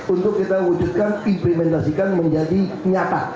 untuk kita wujudkan implementasikan menjadi nyata